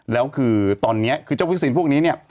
แล้วคือตอนนี้คือเจ้าวัคซีนพวกนี้เนี่ย